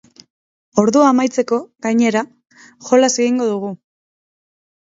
Ordua amaitzeko, gainera, jolas egingo dugu!